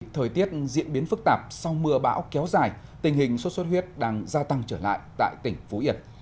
thời tiết diễn biến phức tạp sau mưa bão kéo dài tình hình xuất xuất huyết đang gia tăng trở lại tại tỉnh phú yên